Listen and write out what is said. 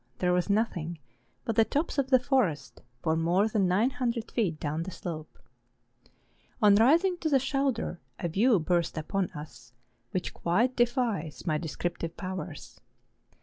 253 there was nothing but the tops of the forest for more than nine hundred feet down the slope. On rising to the shoulder a view burst upon us which quite defies my descriptive powers.